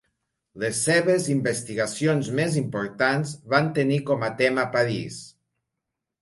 Les seves investigacions més importants van tenir com a tema París.